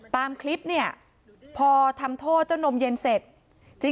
ตามคลิปเนี่ยพอทำโทษเจ้านมเย็นเสร็จ